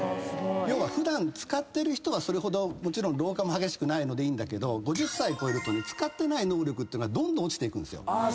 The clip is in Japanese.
普段使ってる人はそれほどもちろん老化も激しくないのでいいんだけど５０歳超えると使ってない能力はどんどん落ちていくんですよ。